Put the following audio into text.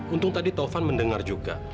untung tadi taufan mendengar juga